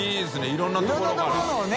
いろんなところのをね。